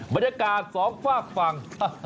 บรรยากาศสองฝากฝั่ง